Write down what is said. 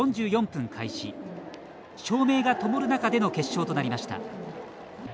照明がともる中での決勝となりました。